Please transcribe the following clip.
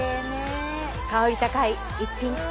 香り高い逸品。